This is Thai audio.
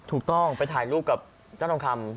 ถูกต้องไปถ่ายรูปกับเจ้าทองคำ